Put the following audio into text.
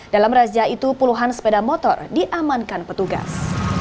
dalam razia itu puluhan sepeda motor diamankan petugas